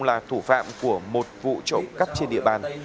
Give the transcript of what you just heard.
là thủ phạm của một vụ trộm cắt trên địa bàn